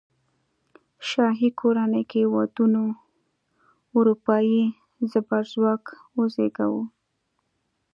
شاهي کورنۍ کې ودونو اروپايي زبرځواک وزېږاوه.